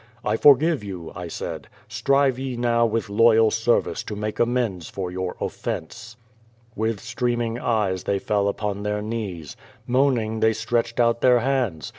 "I forgive you," I said. "Strive ye now with loyal ser vice to make amends for your offence." With streaming eyes, they fell upon their knees. ^Moaning they stretched out their hands.